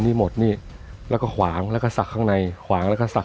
นี่หมดนี่แล้วก็ขวางแล้วก็สักข้างในขวางแล้วก็ศักด